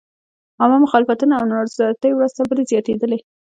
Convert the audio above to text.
عامه مخالفتونه او نارضایتۍ ورځ تر بلې زیاتېدلې.